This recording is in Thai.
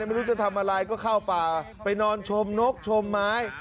ไม่รู้จะทำอะไรก็เข้าป่าไปนอนชมนกชมไม้